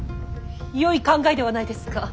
よい考えではないですか！